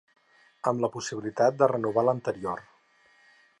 Amb la possibilitat de renovar l'anterior.